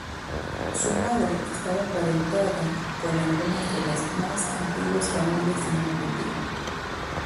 Su madre estaba emparentada con algunas de las más antiguas familias de Normandía.